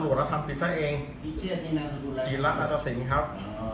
พิเชศครับพิเชศครับพิเชศสำมารถมาเลยโอ้โหครับ